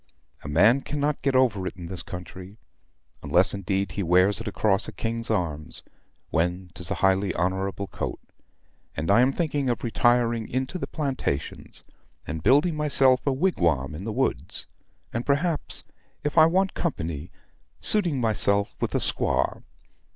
A man cannot get over it in this country; unless, indeed, he wears it across a king's arms, when 'tis a highly honorable coat; and I am thinking of retiring into the plantations, and building myself a wigwam in the woods, and perhaps, if I want company, suiting myself with a squaw.